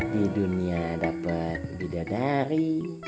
di dunia dapet bidadari